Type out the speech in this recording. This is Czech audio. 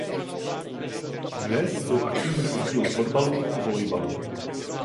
Dnes jsou aktivní oddíly fotbalu a volejbalu.